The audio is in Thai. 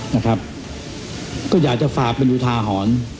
นะครับก็อยากจะฝากเป็นอุทาหรณ์